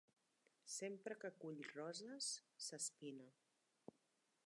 Sempre que cull roses, s'espina.